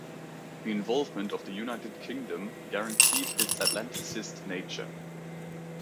The involvement of the United Kingdom guaranteed its Atlanticist nature.